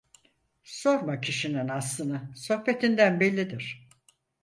Sorma kişinin aslını, sohbetinden bellidir.